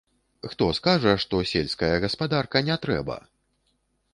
Хто скажа, што сельская гаспадарка не трэба?!